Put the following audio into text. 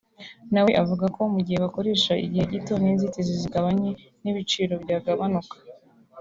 na we avuga ko mu gihe bakoresha igihe gito n’inzitizi zikaba nke n’ibiciro byagabanuka